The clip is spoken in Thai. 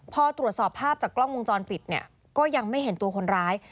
พอตรวจสอบภาพจากกล้องวงจรปิดเนี่ยก็ยังไม่เห็นตัวคนร้าย